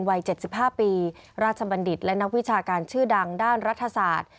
วัย๗๕ปีราชบัณฑิตและนักวิชาการชื่อดังด้านรัฐศาสตร์